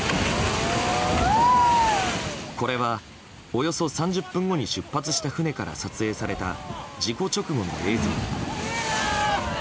これは、およそ３０分後に出発した船から撮影された事故直後の映像。